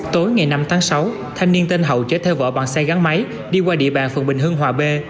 tối ngày năm tháng sáu thanh niên tên hậu chở theo vợ bằng xe gắn máy đi qua địa bàn phường bình hưng hòa b